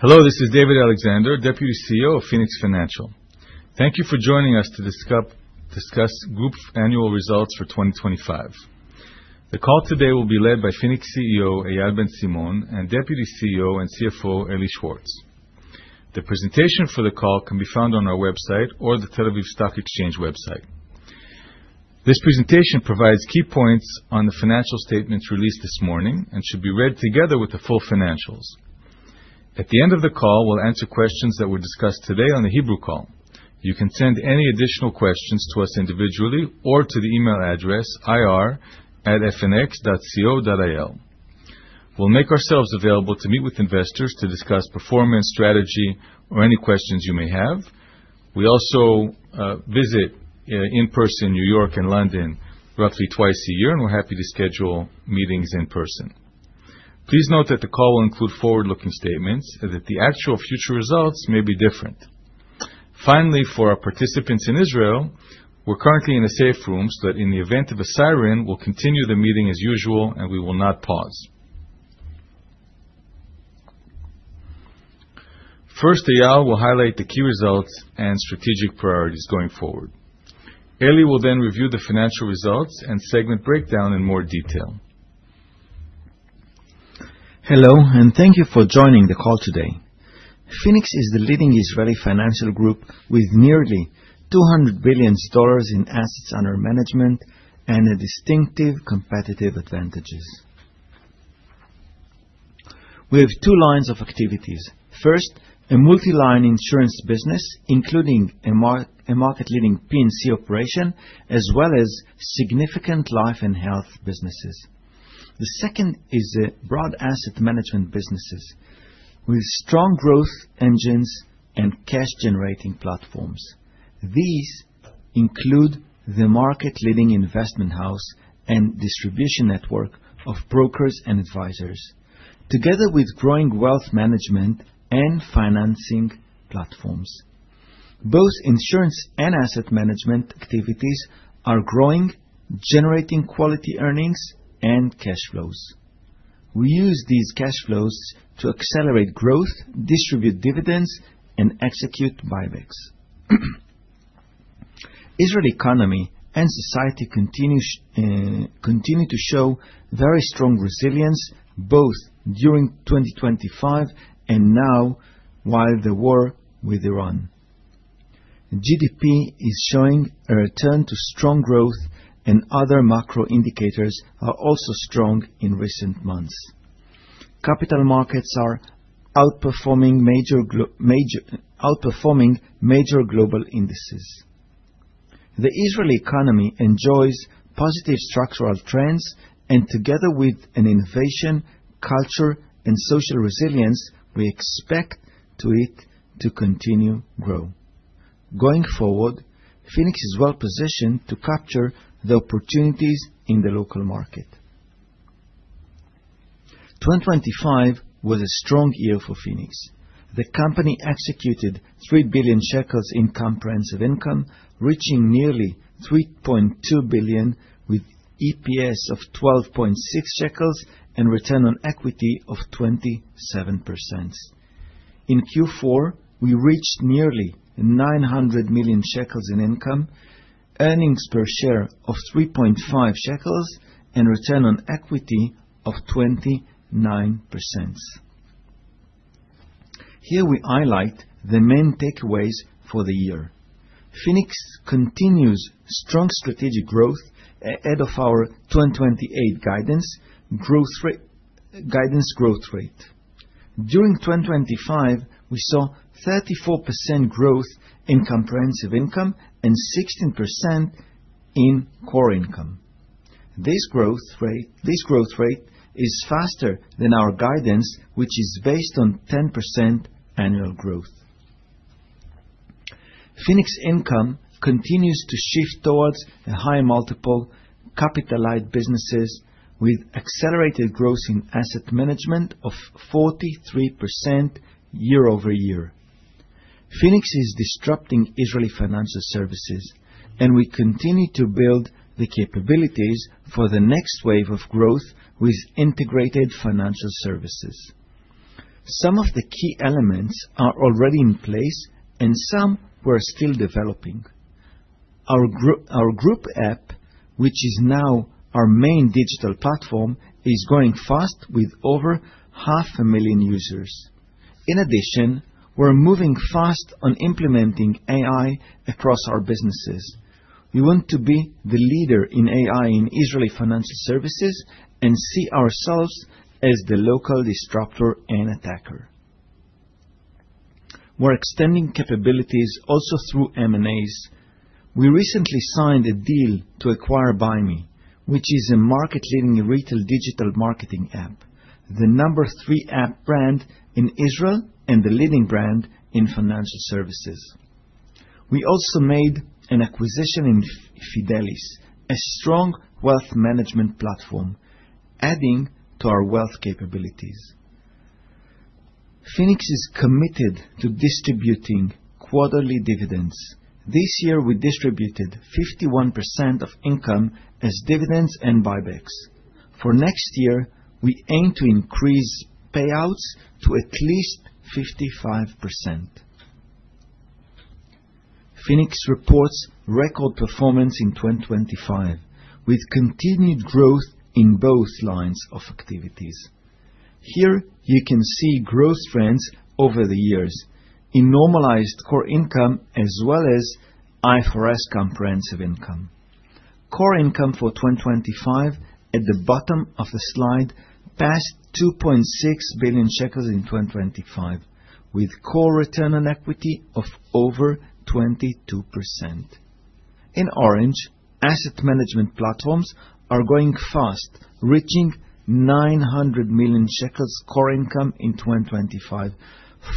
Hello, this is David Alexander, Deputy CEO of Phoenix Financial. Thank you for joining us to discuss Group Annual Results for 2025. The call today will be led by Phoenix CEO Eyal Ben-Simon and Deputy CEO and CFO Eli Schwartz. The presentation for the call can be found on our website or the Tel Aviv Stock Exchange website. This presentation provides key points on the financial statements released this morning and should be read together with the full financials. At the end of the call, we'll answer questions that were discussed today on the Hebrew call. You can send any additional questions to us individually or to the email address ir@fnx.co.il. We'll make ourselves available to meet with investors to discuss performance, strategy, or any questions you may have. We also visit in person, New York and London, roughly twice a year. We're happy to schedule meetings in person. Please note that the call will include forward-looking statements and that the actual future results may be different. Finally, for our participants in Israel, we're currently in a safe room, so that in the event of a siren, we'll continue the meeting as usual. We will not pause. First, Eyal will highlight the key results and strategic priorities going forward. Eli will review the financial results and segment breakdown in more detail. Hello. Thank you for joining the call today. Phoenix is the leading Israeli financial group with nearly $200 billion in assets under management and distinctive competitive advantages. We have two lines of activities. First, a multi-line insurance business, including a market-leading P&C operation, as well as significant life and health businesses. The second is broad asset management businesses with strong growth engines and cash-generating platforms. These include the market-leading investment house and distribution network of brokers and advisors, together with growing wealth management and financing platforms. Both insurance and asset management activities are growing, generating quality earnings and cash flows. We use these cash flows to accelerate growth, distribute dividends, and execute buybacks. Israel economy and society continue to show very strong resilience both during 2025 and now while the war with Iran. GDP is showing a return to strong growth. Other macro indicators are also strong in recent months. Capital markets are outperforming major global indices. The Israeli economy enjoys positive structural trends. Together with an innovation culture and social resilience, we expect it to continue growing. Going forward, Phoenix is well-positioned to capture the opportunities in the local market. 2025 was a strong year for Phoenix. The company executed 3 billion shekels in comprehensive income, reaching nearly 3.2 billion, with EPS of 12.6 shekels and return on equity of 27%. In Q4, we reached nearly 900 million shekels in income, earnings per share of 3.5 shekels, and return on equity of 29%. Here we highlight the main takeaways for the year. Phoenix continues strong strategic growth ahead of our 2028 guidance growth rate. During 2025, we saw 34% growth in comprehensive income and 16% in core income. This growth rate is faster than our guidance, which is based on 10% annual growth. Phoenix Financial continues to shift towards high multiple capitalized businesses with accelerated growth in asset management of 43% year-over-year. Phoenix is disrupting Israeli financial services, and we continue to build the capabilities for the next wave of growth with integrated financial services. Some of the key elements are already in place, and some we are still developing. Our group app, which is now our main digital platform, is growing fast with over half a million users. In addition, we are moving fast on implementing AI across our businesses. We want to be the leader in AI in Israeli financial services and see ourselves as the local disruptor and attacker. We are extending capabilities also through M&As. We recently signed a deal to acquire BUYME, which is a market-leading retail digital marketing app, the number three app brand in Israel and the leading brand in financial services. We also made an acquisition in Fidelis, a strong wealth management platform, adding to our wealth capabilities. Phoenix is committed to distributing quarterly dividends. This year, we distributed 51% of income as dividends and buybacks. For next year, we aim to increase payouts to at least 55%. Phoenix reports record performance in 2025, with continued growth in both lines of activities. Here you can see growth trends over the years in normalized core income, as well as IFRS comprehensive income. Core income for 2025, at the bottom of the slide, passed 2.6 billion shekels in 2025, with core return on equity of over 22%. In orange, asset management platforms are growing fast, reaching 900 million shekels core income in 2025,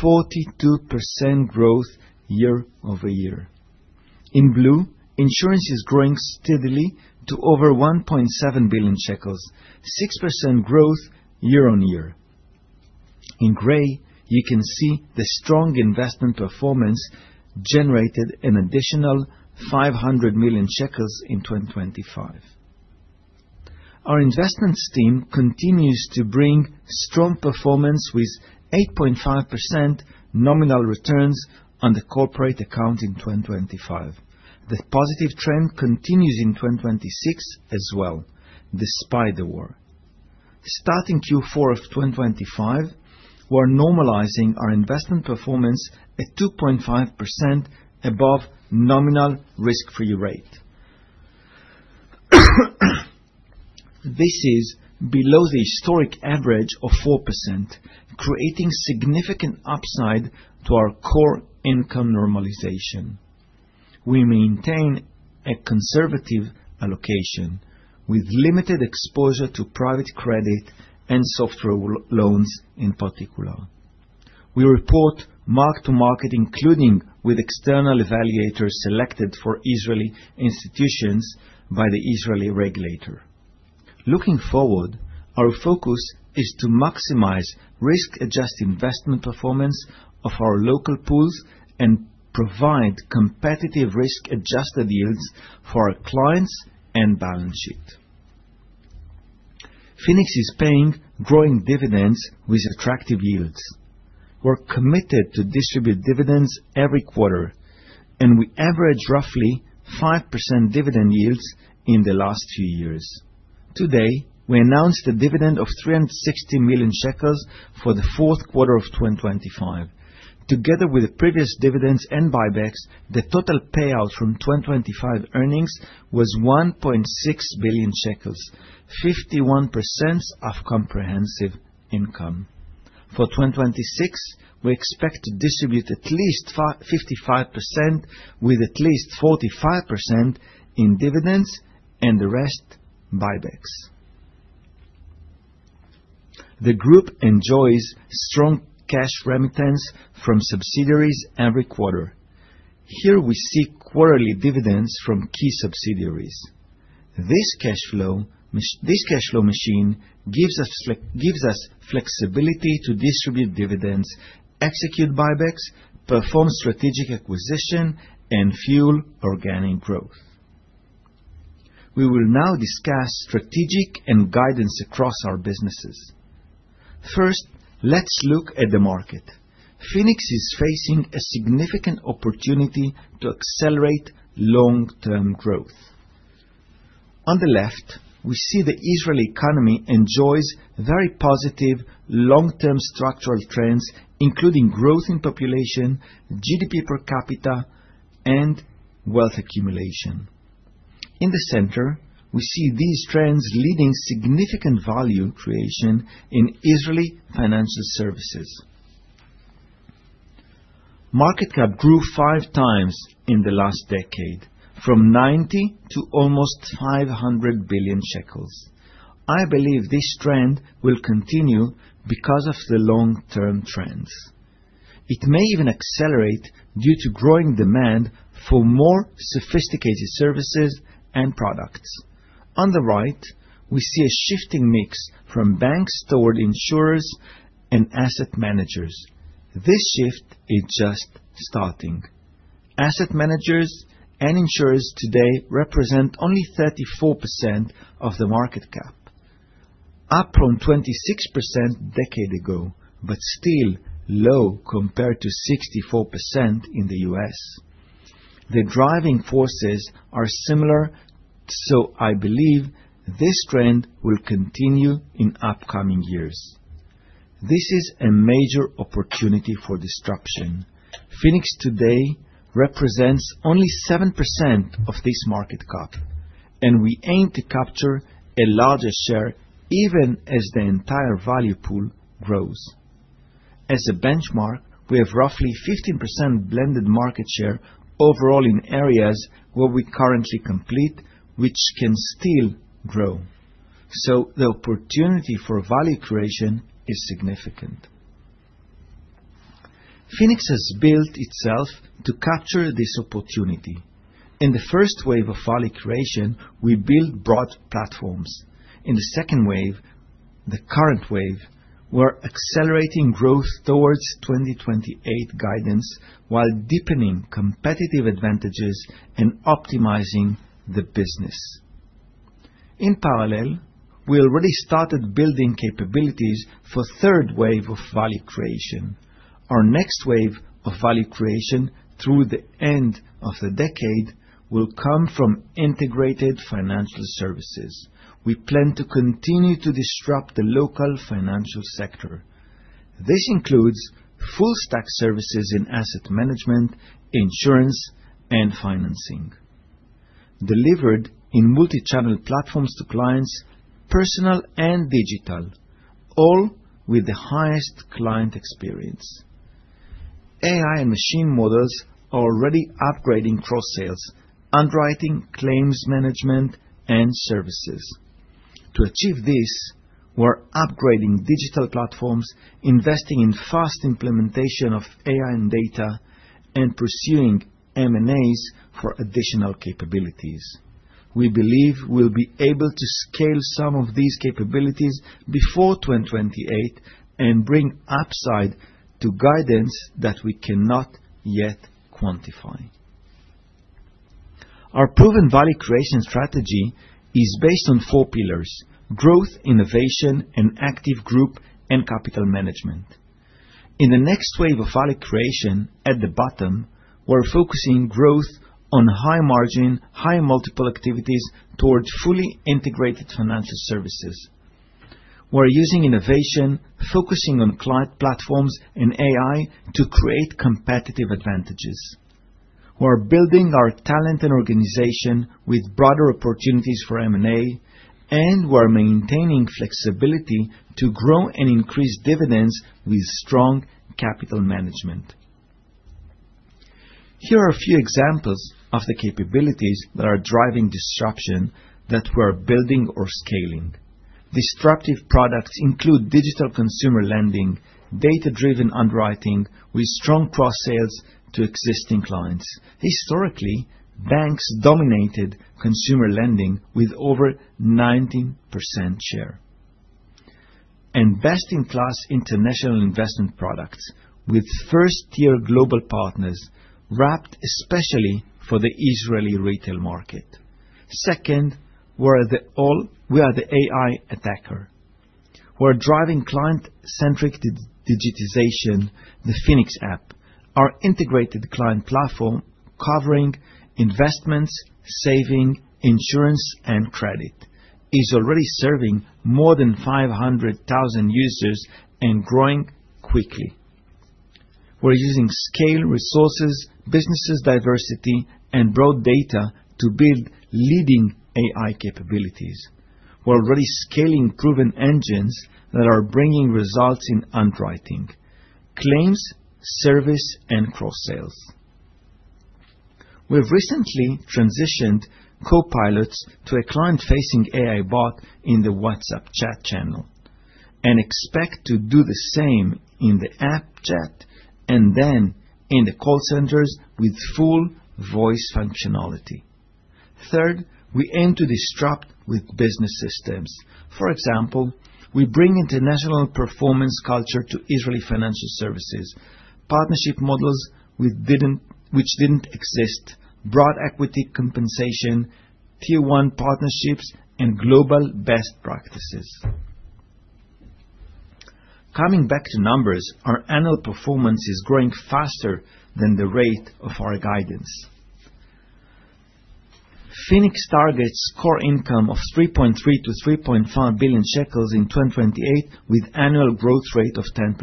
42% growth year-over-year. In blue, insurance is growing steadily to over 1.7 billion shekels, 6% growth year-on-year. In gray, you can see the strong investment performance generated an additional 500 million shekels in 2025. Our investments team continues to bring strong performance with 8.5% nominal returns on the corporate account in 2025. The positive trend continues in 2026 as well, despite the war. Starting Q4 of 2025, we are normalizing our investment performance at 2.5% above nominal risk-free rate. This is below the historic average of 4%, creating significant upside to our core income normalization. We maintain a conservative allocation with limited exposure to private credit and soft loans in particular. We report mark-to-market including with external evaluators selected for Israeli institutions by the Israeli regulator. Looking forward, our focus is to maximize risk-adjusted investment performance of our local pools and provide competitive risk-adjusted yields for our clients and balance sheet. Phoenix is paying growing dividends with attractive yields. We are committed to distribute dividends every quarter, and we average roughly 5% dividend yields in the last few years. Today, we announced a dividend of 360 million shekels for the fourth quarter of 2025. Together with the previous dividends and buybacks, the total payout from 2025 earnings was 1.6 billion shekels, 51% of comprehensive income. For 2026, we expect to distribute at least 55%, with at least 45% in dividends and the rest buybacks. The group enjoys strong cash remittance from subsidiaries every quarter. Here we see quarterly dividends from key subsidiaries. This cash flow machine gives us flexibility to distribute dividends, execute buybacks, perform strategic acquisition, and fuel organic growth. We will now discuss strategic and guidance across our businesses. First, let's look at the market. Phoenix is facing a significant opportunity to accelerate long-term growth. On the left, we see the Israeli economy enjoys very positive long-term structural trends, including growth in population, GDP per capita, and wealth accumulation. In the center, we see these trends leading significant value creation in Israeli financial services. Market cap grew 5x in the last decade, from 90 billion to almost 500 billion shekels. I believe this trend will continue because of the long-term trends. It may even accelerate due to growing demand for more sophisticated services and products. On the right, we see a shifting mix from banks toward insurers and asset managers. This shift is just starting. Asset managers and insurers today represent only 34% of the market cap, up from 26% a decade ago, but still low compared to 64% in the U.S. The driving forces are similar, so I believe this trend will continue in upcoming years. This is a major opportunity for disruption. Phoenix today represents only 7% of this market cap. We aim to capture a larger share even as the entire value pool grows. As a benchmark, we have roughly 15% blended market share overall in areas where we currently compete, which can still grow. So the opportunity for value creation is significant. Phoenix has built itself to capture this opportunity. In the first wave of value creation, we built broad platforms. In the second wave, the current wave, we're accelerating growth towards 2028 guidance while deepening competitive advantages and optimizing the business. In parallel, we already started building capabilities for third wave of value creation. Our next wave of value creation through the end of the decade will come from integrated financial services. We plan to continue to disrupt the local financial sector. This includes full stack services in asset management, insurance, and financing, delivered in multi-channel platforms to clients, personal and digital, all with the highest client experience. AI and machine models are already upgrading cross-sales, underwriting, claims management, and services. To achieve this, we're upgrading digital platforms, investing in fast implementation of AI and data, and pursuing M&As for additional capabilities. We believe we'll be able to scale some of these capabilities before 2028 and bring upside to guidance that we cannot yet quantify. Our proven value creation strategy is based on four pillars, growth, innovation, an active group, and capital management. In the next wave of value creation, at the bottom, we're focusing growth on high margin, high multiple activities towards fully integrated financial services. We're using innovation, focusing on client platforms and AI to create competitive advantages. We're building our talent and organization with broader opportunities for M&A. We're maintaining flexibility to grow and increase dividends with strong capital management. Here are a few examples of the capabilities that are driving disruption that we're building or scaling. Disruptive products include digital consumer lending, data-driven underwriting with strong cross-sales to existing clients. Historically, banks dominated consumer lending with over 19% share. Best-in-class international investment products with first-tier global partners wrapped especially for the Israeli retail market. Second, we are the AI attacker. We're driving client-centric digitization, the Phoenix app. Our integrated client platform covering investments, saving, insurance, and credit is already serving more than 500,000 users and growing quickly. We're using scale, resources, businesses diversity, and broad data to build leading AI capabilities. We're already scaling proven engines that are bringing results in underwriting, claims, service, and cross-sales. We've recently transitioned co-pilots to a client-facing AI bot in the WhatsApp chat channel and expect to do the same in the app chat, and then in the call centers with full voice functionality. We aim to disrupt with business systems. For example, we bring international performance culture to Israeli financial services, partnership models which didn't exist, broad equity compensation, Tier 1 partnerships, and global best practices. Coming back to numbers, our annual performance is growing faster than the rate of our guidance. Phoenix targets core income of 3.3 billion-3.5 billion shekels in 2028 with annual growth rate of 10%.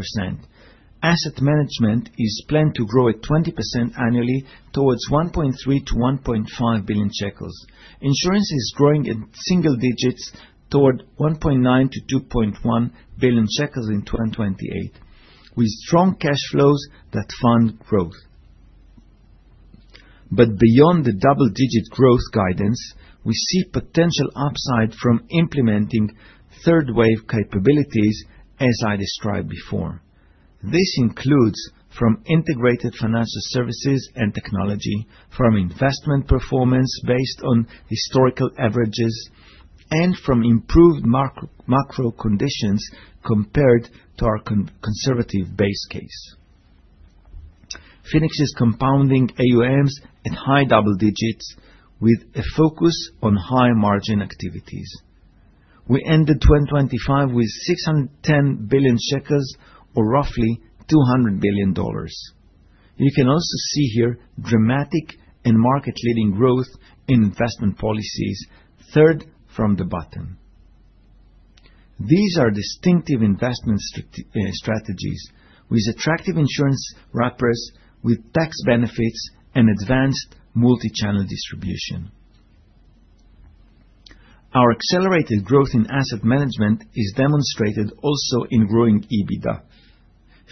Asset management is planned to grow at 20% annually towards 1.3 billion-1.5 billion shekels. Insurance is growing in single-digits toward 1.9 billion-2.1 billion shekels in 2028, with strong cash flows that fund growth. Beyond the double-digit growth guidance, we see potential upside from implementing third-wave capabilities as I described before. This includes from integrated financial services and technology, from investment performance based on historical averages, and from improved macro conditions compared to our conservative base case. Phoenix is compounding AUMs at high double-digits with a focus on high margin activities. We ended 2025 with 610 billion shekels or roughly $200 billion. You can also see here dramatic and market-leading growth in investment policies, third from the bottom. These are distinctive investment strategies with attractive insurance wrappers with tax benefits and advanced multi-channel distribution. Our accelerated growth in asset management is demonstrated also in growing EBITDA.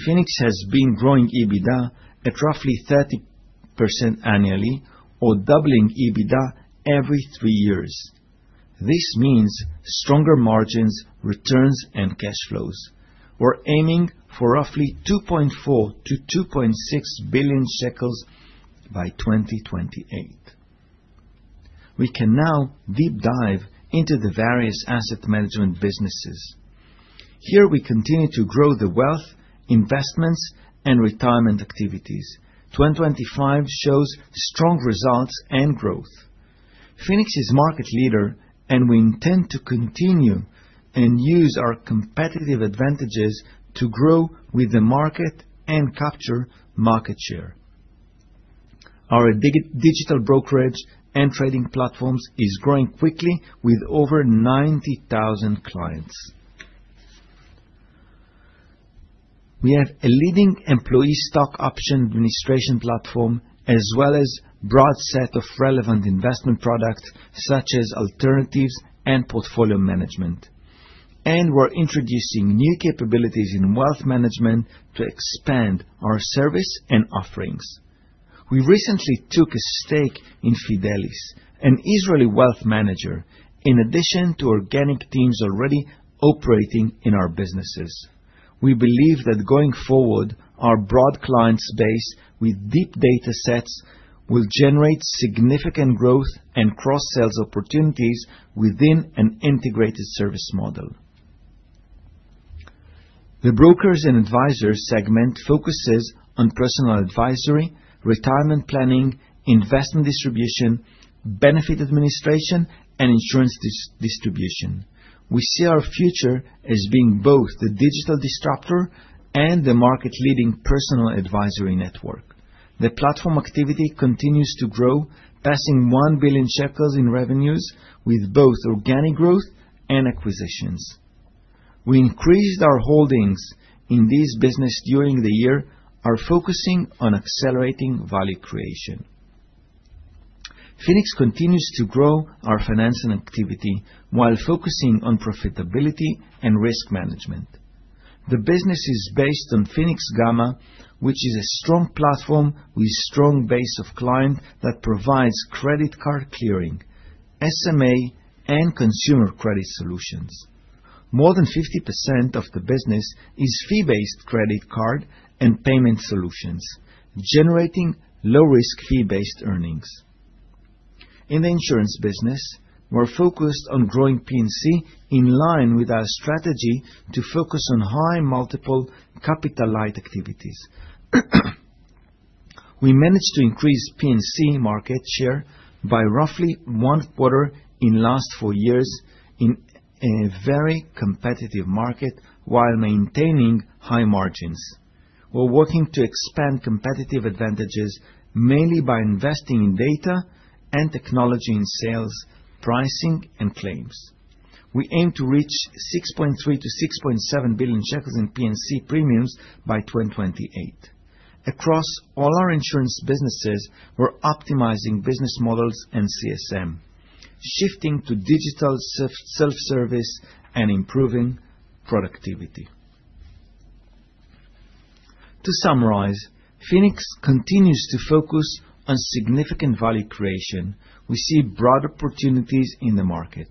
Phoenix has been growing EBITDA at roughly 30% annually or doubling EBITDA every three years. This means stronger margins, returns, and cash flows. We're aiming for roughly 2.4 billion-2.6 billion shekels by 2028. We can now deep dive into the various asset management businesses. Here we continue to grow the wealth, investments, and retirement activities. 2025 shows strong results and growth. Phoenix is market leader, and we intend to continue and use our competitive advantages to grow with the market and capture market share. Our digital brokerage and trading platforms is growing quickly with over 90,000 clients. We have a leading employee stock option administration platform, as well as broad set of relevant investment products such as alternatives and portfolio management, and we're introducing new capabilities in wealth management to expand our service and offerings. We recently took a stake in Fidelis, an Israeli wealth manager, in addition to organic teams already operating in our businesses. We believe that going forward, our broad client space with deep data sets will generate significant growth and cross-sales opportunities within an integrated service model. The brokers and advisors segment focuses on personal advisory, retirement planning, investment distribution, benefit administration, and insurance distribution. We see our future as being both the digital disruptor and the market-leading personal advisory network. The platform activity continues to grow, passing 1 billion shekels in revenues with both organic growth and acquisitions. We increased our holdings in this business during the year, are focusing on accelerating value creation. Phoenix continues to grow our financing activity while focusing on profitability and risk management. The business is based on Phoenix Gamma, which is a strong platform with strong base of client that provides credit card clearing, SMA, and consumer credit solutions. More than 50% of the business is fee-based credit card and payment solutions, generating low-risk fee-based earnings. In the insurance business, we're focused on growing P&C in line with our strategy to focus on high multiple capital light activities. We managed to increase P&C market share by roughly one quarter in last four years in a very competitive market while maintaining high margins. We're working to expand competitive advantages mainly by investing in data and technology in sales, pricing, and claims. We aim to reach 6.3 billion-6.7 billion shekels in P&C premiums by 2028. Across all our insurance businesses, we're optimizing business models and CSM, shifting to digital self-service, and improving productivity. To summarize, Phoenix continues to focus on significant value creation. We see broad opportunities in the market.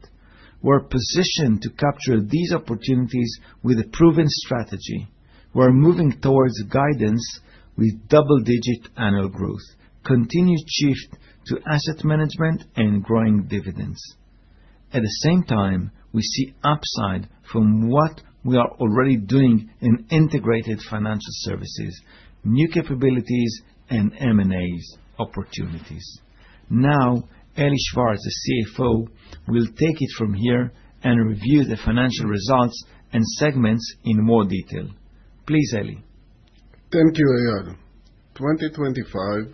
We're positioned to capture these opportunities with a proven strategy. We're moving towards guidance with double-digit annual growth, continued shift to asset management, and growing dividends. At the same time, we see upside from what we are already doing in integrated financial services, new capabilities, and M&A opportunities. Now, Eli Schwartz, the CFO, will take it from here and review the financial results and segments in more detail. Please, Eli. Thank you, Eyal. 2025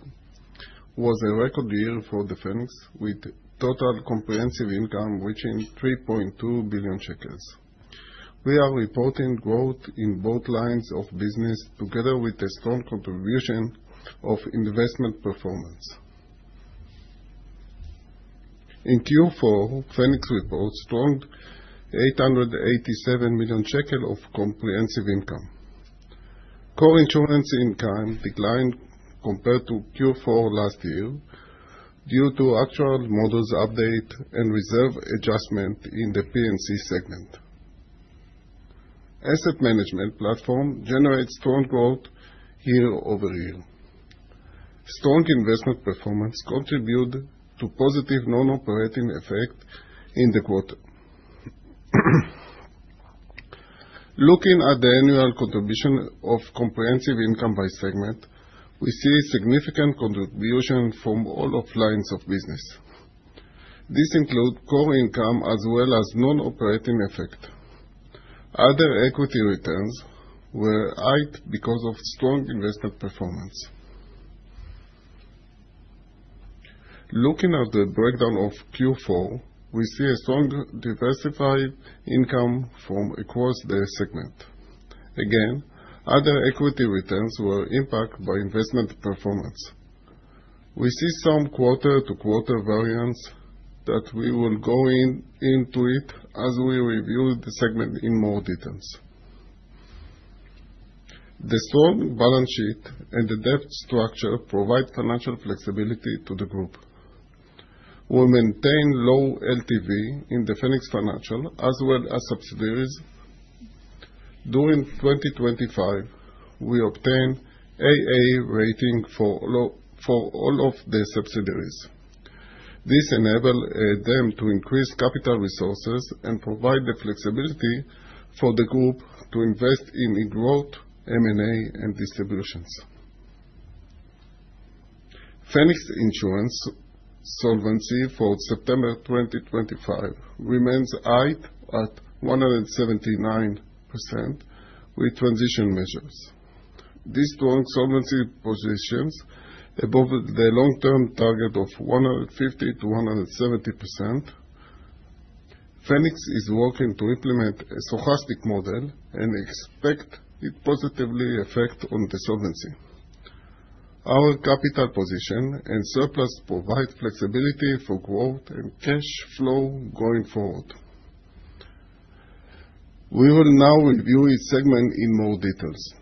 was a record year for the Phoenix, with total comprehensive income reaching 3.2 billion shekels. We are reporting growth in both lines of business together with a strong contribution of investment performance. In Q4, Phoenix reports strong 887 million shekel of comprehensive income. Core insurance income declined compared to Q4 last year due to actuarial models update and reserve adjustment in the P&C segment. Asset management platform generates strong growth year-over-year. Strong investment performance contribute to positive non-operating effect in the quarter. Looking at the annual contribution of comprehensive income by segment, we see significant contribution from all of lines of business. This include core income as well as non-operating effect. Other equity returns were high because of strong investment performance. Looking at the breakdown of Q4, we see a strong diversified income from across the segment. Again, other equity returns were impacted by investment performance. We see some quarter-to-quarter variance that we will go into it as we review the segment in more details. The strong balance sheet and the debt structure provide financial flexibility to the group. We maintain low LTV in the Phoenix Financial as well as subsidiaries. During 2025, we obtained AA rating for all of the subsidiaries. This enabled them to increase capital resources and provide the flexibility for the group to invest in growth, M&A, and distributions. Phoenix Insurance solvency for September 2025 remains high at 179% with transition measures. This strong solvency positions above the long-term target of 150%-170%. Phoenix is working to implement a stochastic model and expect it positively affect on the solvency. Our capital position and surplus provide flexibility for growth and cash flow going forward. We will now review each segment in more details.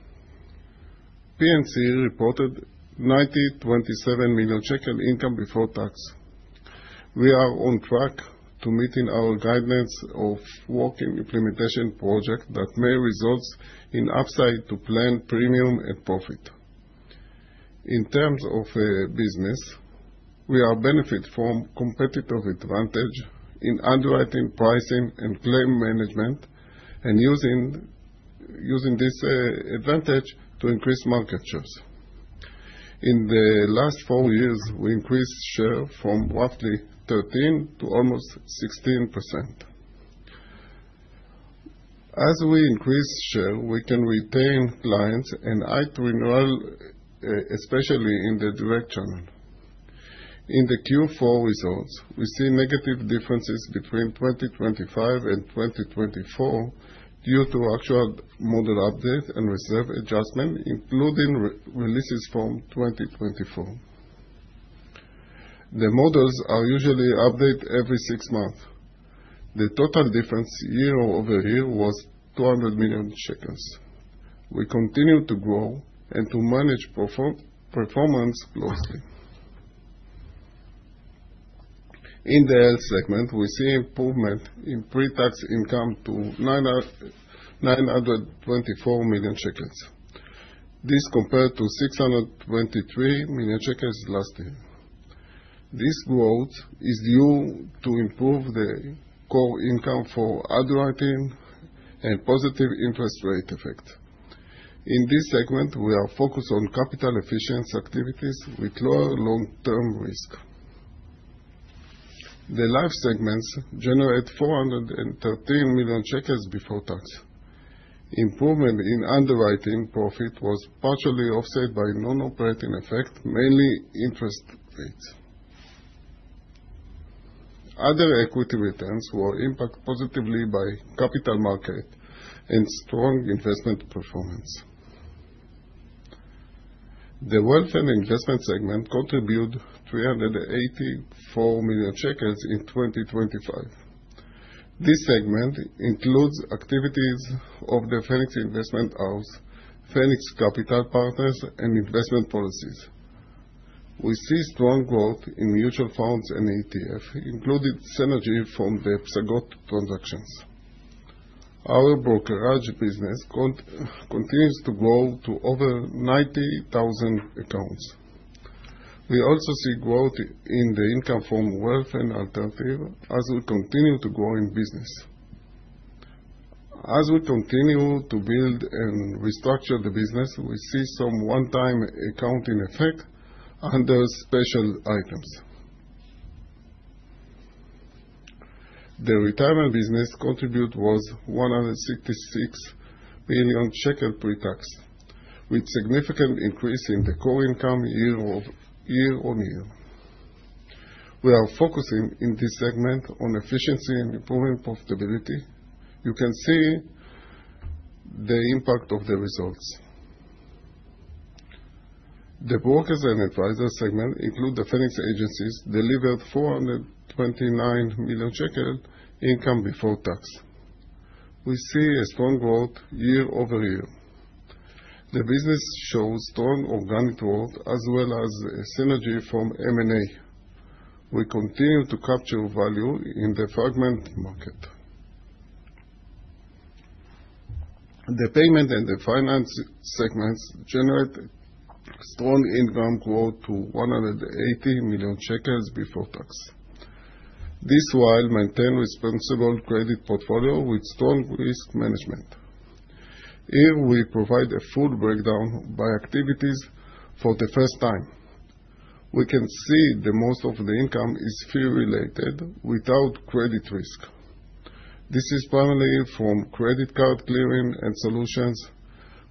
P&C reported 927 million shekel income before tax. We are on track to meeting our guidance of working implementation project that may result in upside to planned premium and profit. In terms of business, we are benefit from competitive advantage in underwriting, pricing, and claim management, and using this advantage to increase market shares. In the last four years, we increased share from roughly 13% to almost 16%. As we increase share, we can retain clients and high renewal, especially in the direction. In the Q4 results, we see negative differences between 2025 and 2024 due to actual model update and reserve adjustment, including releases from 2024. The models are usually updated every six months. The total difference year-over-year was 200 million shekels. We continue to grow and to manage performance closely. In the health segment, we see improvement in pre-tax income to 924 million shekels. This compared to 623 million shekels last year. This growth is due to improved the core income for underwriting and positive interest rate effect. In this segment, we are focused on capital efficiency activities with lower long-term risk. The life segments generate 413 million shekels before tax. Improvement in underwriting profit was partially offset by non-operating effect, mainly interest rates. Other equity returns were impacted positively by capital market and strong investment performance. The wealth and investment segment contribute 384 million shekels in 2025. This segment includes activities of The Phoenix Investment House, Phoenix Capital Partners, and investment policies. We see strong growth in mutual funds and ETF, including synergy from the Psagot transactions. Our brokerage business continues to grow to over 90,000 accounts. We also see growth in the income from wealth and alternative as we continue to grow in business. As we continue to build and restructure the business, we see some one-time accounting effect under special items. The retirement business contribution was 166 million shekel pre-tax, with significant increase in the core income year-on-year. We are focusing in this segment on efficiency and improving profitability. You can see the impact of the results. The brokers and advisor segment include the Phoenix Agencies delivered 429 million shekel income before tax. We see a strong growth year-over-year. The business shows strong organic growth as well as synergy from M&A. We continue to capture value in the fragment market. The payment and the finance segments generate strong income growth to 180 million shekels before tax. This while maintain responsible credit portfolio with strong risk management. Here we provide a full breakdown by activities for the first time. We can see the most of the income is fee related without credit risk. This is primarily from credit card clearing and solutions,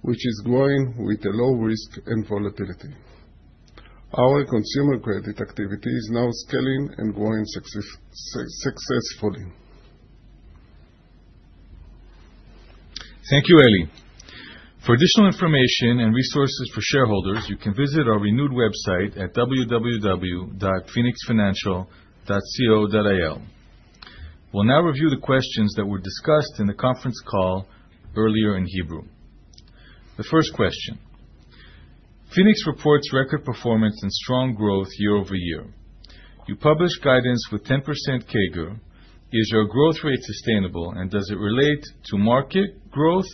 which is growing with a low risk and volatility. Our consumer credit activity is now scaling and growing successfully. Thank you, Eli. For additional information and resources for shareholders, you can visit our renewed website at www.fnx.co.il. We'll now review the questions that were discussed in the conference call earlier in Hebrew. The first question. Phoenix reports record performance and strong growth year-over-year. You publish guidance with 10% CAGR. Is your growth rate sustainable, and does it relate to market growth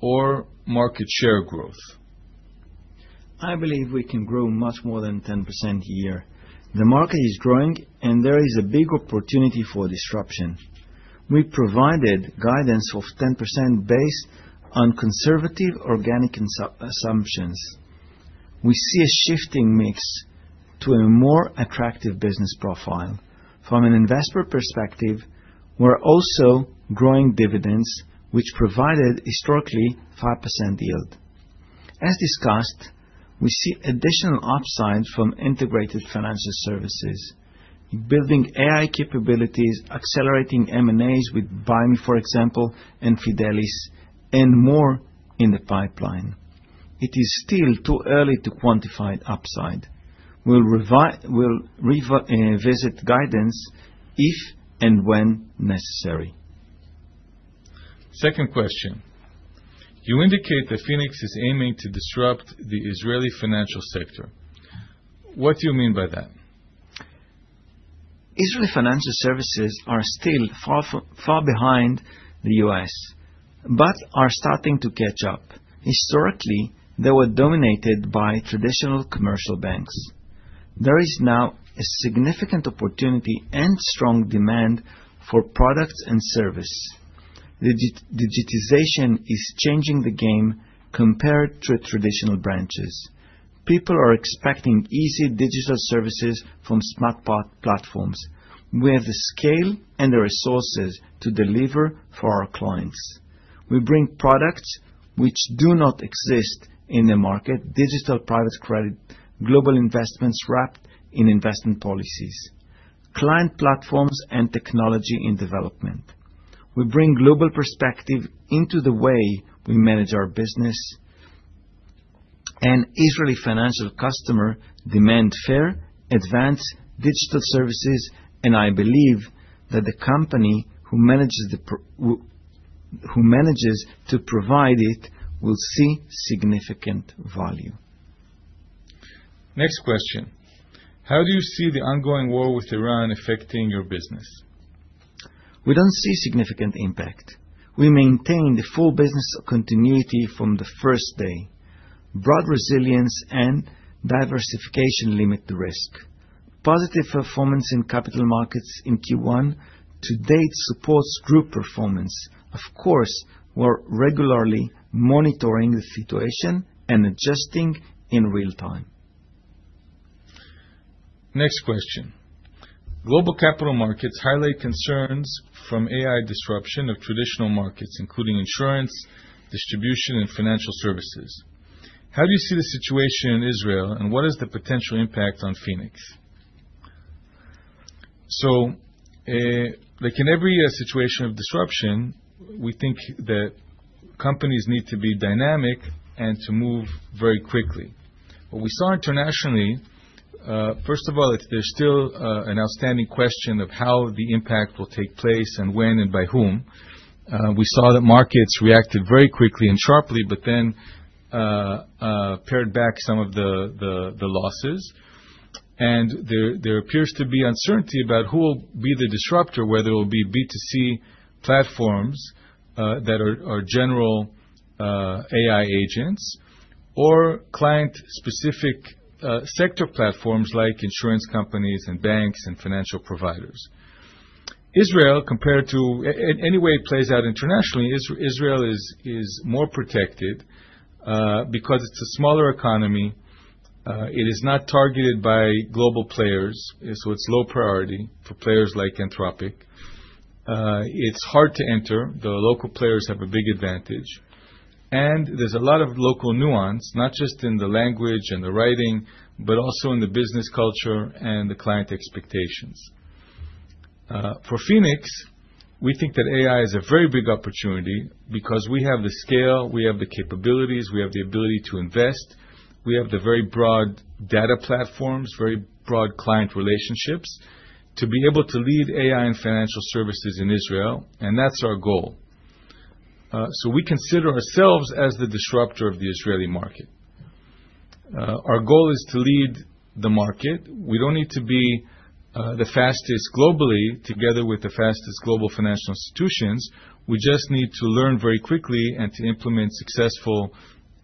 or market share growth? I believe we can grow much more than 10% a year. The market is growing, and there is a big opportunity for disruption. We provided guidance of 10% based on conservative organic assumptions. We see a shifting mix to a more attractive business profile. From an investor perspective, we're also growing dividends, which provided historically 5% yield. As discussed, we see additional upside from integrated financial services. In building AI capabilities, accelerating M&As with BUYME, for example, and Fidelis, and more in the pipeline. It is still too early to quantify the upside. We'll revisit guidance if and when necessary. Second question. You indicate that Phoenix is aiming to disrupt the Israeli financial sector. What do you mean by that? Israeli financial services are still far behind the U.S., but are starting to catch up. Historically, they were dominated by traditional commercial banks. There is now a significant opportunity and strong demand for products and service. The digitization is changing the game compared to traditional branches. People are expecting easy digital services from smart platforms. We have the scale and the resources to deliver for our clients. We bring products which do not exist in the market, digital private credit, global investments wrapped in investment policies, client platforms, and technology in development. We bring global perspective into the way we manage our business, and Israeli financial customer demand fair, advanced digital services, and I believe that the company who manages to provide it will see significant value. Next question. How do you see the ongoing war with Iran affecting your business? We don't see significant impact. We maintain the full business continuity from the first day. Broad resilience and diversification limit the risk. Positive performance in capital markets in Q1 to date supports group performance. We're regularly monitoring the situation and adjusting in real time. Next question. Global capital markets highlight concerns from AI disruption of traditional markets, including insurance, distribution, and financial services. How do you see the situation in Israel, and what is the potential impact on Phoenix? Like in every situation of disruption, we think that companies need to be dynamic and to move very quickly. What we saw internationally, first of all, there's still an outstanding question of how the impact will take place and when and by whom. We saw that markets reacted very quickly and sharply, but then paired back some of the losses. There appears to be uncertainty about who will be the disruptor, whether it will be B2C platforms that are general AI agents or client-specific sector platforms like insurance companies and banks and financial providers. In any way it plays out internationally, Israel is more protected because it's a smaller economy. It is not targeted by global players. It's low priority for players like Anthropic. It's hard to enter. The local players have a big advantage, and there's a lot of local nuance, not just in the language and the writing, but also in the business culture and the client expectations. For Phoenix, we think that AI is a very big opportunity because we have the scale, we have the capabilities, we have the ability to invest, we have the very broad data platforms, very broad client relationships to be able to lead AI and financial services in Israel, and that's our goal. We consider ourselves as the disruptor of the Israeli market. Our goal is to lead the market. We don't need to be the fastest globally together with the fastest global financial institutions. We just need to learn very quickly and to implement successful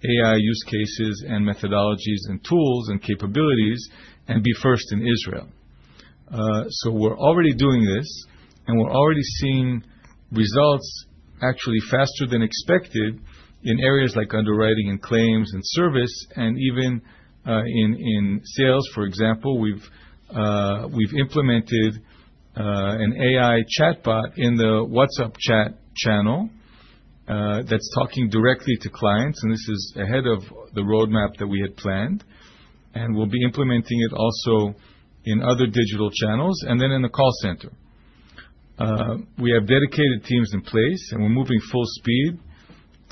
AI use cases and methodologies and tools and capabilities, and be first in Israel. We're already doing this, and we're already seeing results actually faster than expected in areas like underwriting and claims and service and even in sales. For example, we've implemented an AI chatbot in the WhatsApp chat channel that's talking directly to clients. This is ahead of the roadmap that we had planned, and we'll be implementing it also in other digital channels, and then in the call center. We have dedicated teams in place, and we're moving full speed.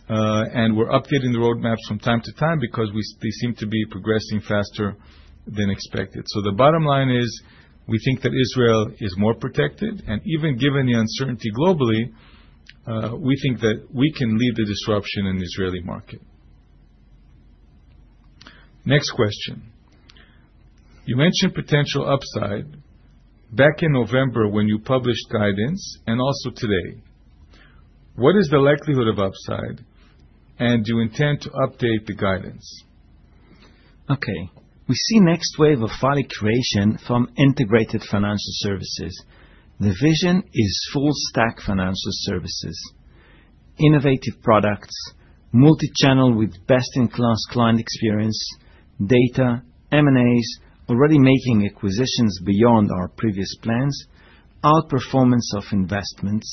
We're updating the roadmaps from time to time because they seem to be progressing faster than expected. The bottom line is, we think that Israel is more protected, and even given the uncertainty globally, we think that we can lead the disruption in the Israeli market. Next question. You mentioned potential upside back in November when you published guidance, and also today. What is the likelihood of upside, and do you intend to update the guidance? Okay. We see next wave of value creation from integrated financial services. The vision is full stack financial services, innovative products, multi-channel with best-in-class client experience, data, M&As, already making acquisitions beyond our previous plans, outperformance of investments.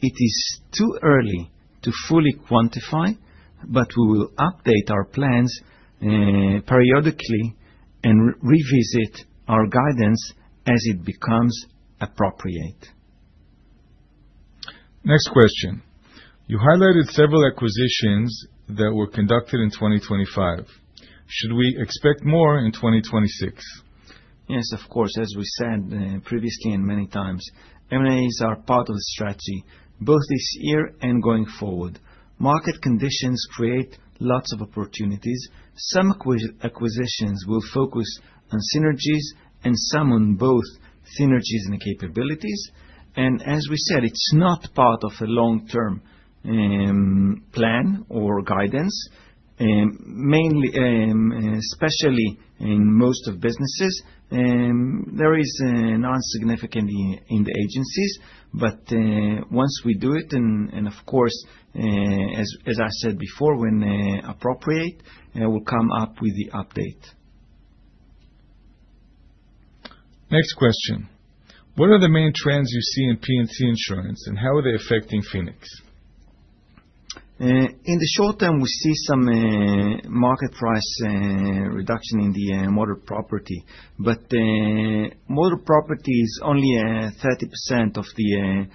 It is too early to fully quantify, but we will update our plans periodically and revisit our guidance as it becomes appropriate. Next question. You highlighted several acquisitions that were conducted in 2025. Should we expect more in 2026? Yes, of course. As we said previously and many times, M&As are part of the strategy both this year and going forward. Market conditions create lots of opportunities. Some acquisitions will focus on synergies and some on both synergies and capabilities. As we said, it's not part of a long-term plan or guidance, especially in most of businesses. There is none significant in the Agencies. Once we do it, and of course, as I said before, when appropriate, we'll come up with the update. Next question. What are the main trends you see in P&C insurance, and how are they affecting Phoenix? In the short-term, we see some market price reduction in the motor property, but motor property is only 30% of the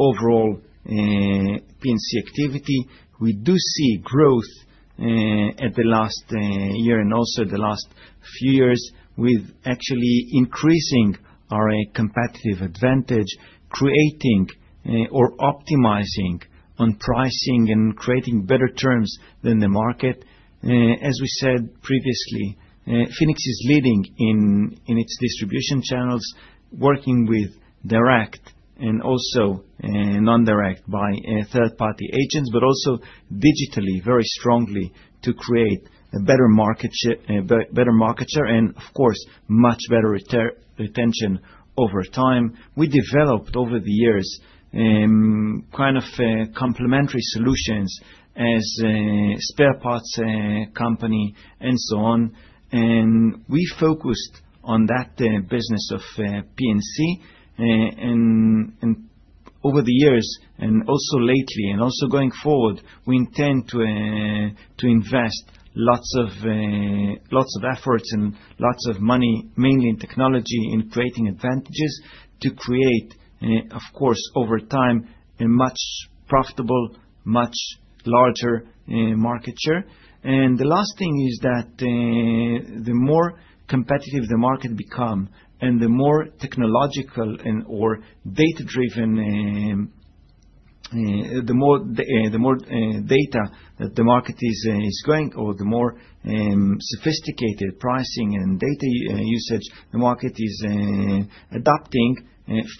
overall P&C activity. We do see growth at the last year and also the last few years with actually increasing our competitive advantage, creating or optimizing on pricing and creating better terms than the market. As we said previously, Phoenix is leading in its distribution channels, working with direct and also non-direct by third-party agents, but also digitally very strongly to create a better market share and, of course, much better retention over time. We developed over the years kind of complementary solutions as a spare parts company and so on, and we focused on that business of P&C. Over the years, and also lately, and also going forward, we intend to invest lots of efforts and lots of money, mainly in technology, in creating advantages to create, of course, over time, a much profitable, much larger market share. The last thing is that the more competitive the market become and the more technological or data-driven, the more data that the market is going or the more sophisticated pricing and data usage the market is adapting,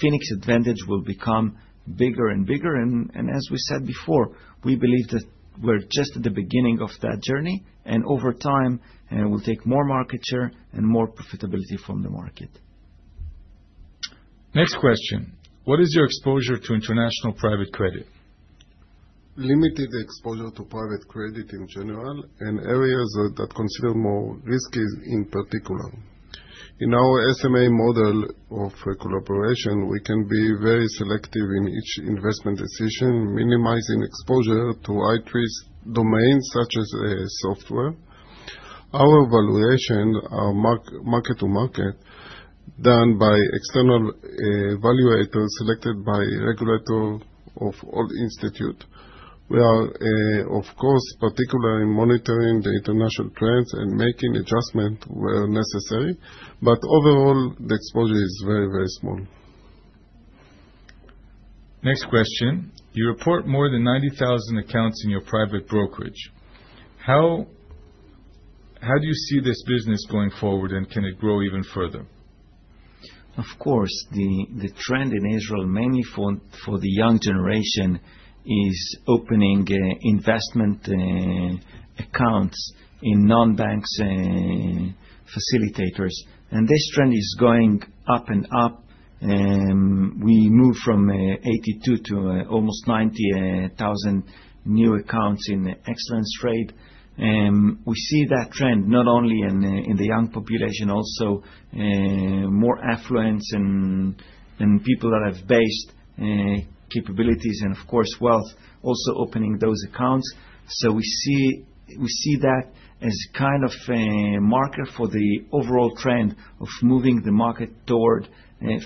Phoenix advantage will become bigger and bigger. As we said before, we believe that we're just at the beginning of that journey, and over time, we'll take more market share and more profitability from the market. Next question. What is your exposure to international private credit? Limited exposure to private credit in general, and areas that consider more risky in particular. In our SMA model of collaboration, we can be very selective in each investment decision, minimizing exposure to high-risk domains such as software. Our valuation are mark-to-market, done by external evaluators selected by regulator of all institute. We are, of course, particularly monitoring the international plans and making adjustment where necessary. Overall, the exposure is very, very small. Next question. You report more than 90,000 accounts in your private brokerage. How do you see this business going forward, and can it grow even further? Of course, the trend in Israel, mainly for the young generation, is opening investment accounts in non-banks facilitators. This trend is going up and up. We moved from 82,000 to almost 90,000 new accounts in Excellence Nessuah. We see that trend not only in the young population, also more affluents and people that have base capabilities and, of course, wealth also opening those accounts. We see that as kind of a marker for the overall trend of moving the market toward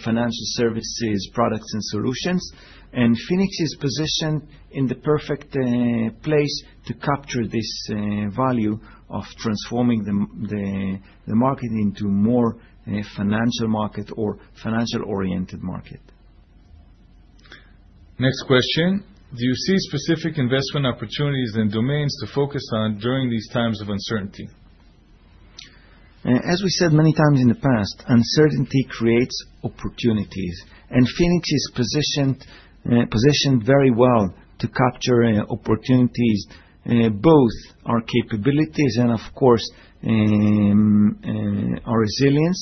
financial services products and solutions. Phoenix is positioned in the perfect place to capture this value of transforming the market into more financial market or financial-oriented market. Next question. Do you see specific investment opportunities and domains to focus on during these times of uncertainty? As we said many times in the past, uncertainty creates opportunities, Phoenix is positioned very well to capture opportunities, both our capabilities and, of course, our resilience,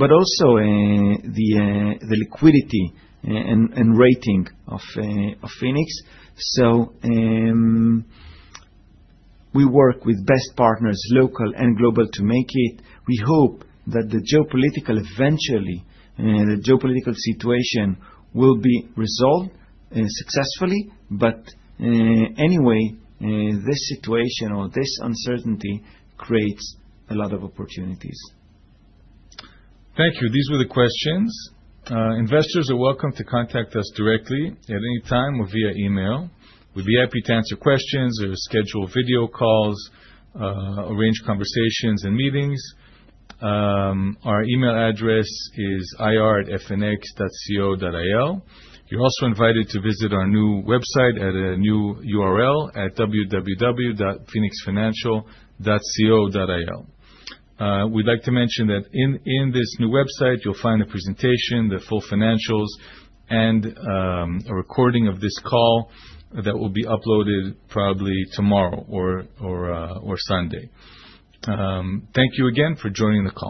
but also the liquidity and rating of Phoenix. We work with best partners, local and global, to make it. We hope that the geopolitical situation will be resolved successfully. Anyway, this situation or this uncertainty creates a lot of opportunities. Thank you. These were the questions. Investors are welcome to contact us directly at any time or via email. We'd be happy to answer questions or schedule video calls, arrange conversations and meetings. Our email address is ir@fnx.co.il. You're also invited to visit our new website at a new URL at www.fnx.co.il. We'd like to mention that in this new website, you'll find a presentation, the full financials, and a recording of this call that will be uploaded probably tomorrow or Sunday. Thank you again for joining the call.